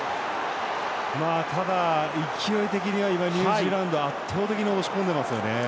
ただ、勢い的にはニュージーランド圧倒的に押し込んでますよね。